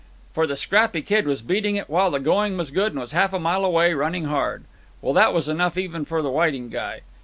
"For the scrappy kid was beating it while the going was good and was half a mile away, running hard. Well, that was enough even for the Whiting guy.